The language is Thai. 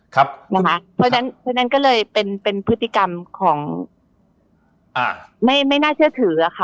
เพราะฉะนั้นก็เลยเป็นพฤติกรรมของไม่น่าเชื่อถือค่ะ